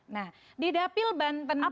nah di dapil banten